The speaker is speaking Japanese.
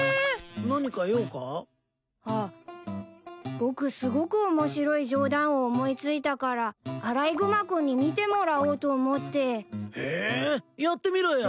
僕すごく面白いジョーダンを思い付いたからアライグマ君に見てもらおうと思って。へやってみろよ。